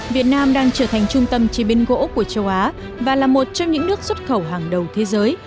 việt nam đang trở thành trung tâm chế biến gỗ của châu á và là một trong những nước xuất khẩu hàng đầu thế giới